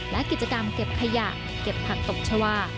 และกิจกรรมเก็บขยะเก็บผักตบชาวา